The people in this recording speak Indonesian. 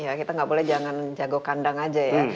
ya kita nggak boleh jangan jago kandang aja ya